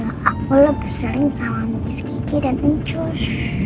kalau aku lebih sering sama mungis kiki dan uncus